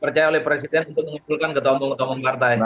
terima kasih oleh presiden untuk mengumpulkan ketua umum umum partai